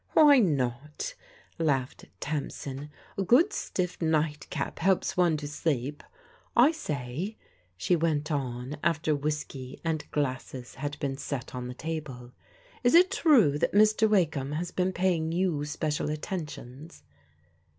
" Why not ?" laughed Tamsin. " A good stiff night cap helps one to sleep. I say," she went on after whis key and glasses had been set on the table, " is it true that Mr. Wakeham has been paying you special attentions?"